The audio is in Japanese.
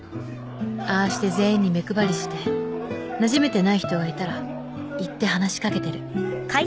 ああして全員に目配りしてなじめてない人がいたら行って話しかけてる。